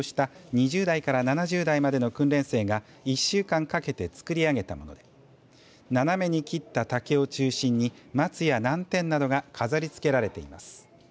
門松は、ことし４月に入校した２０代から７０代までの訓練生が１週間かけて作り上げたもので斜めに切った竹を中心に松や南天などが飾りつけられています。